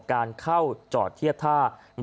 การเข้าจอดเทียดท่าราชวรรดิตตามกำหนดการ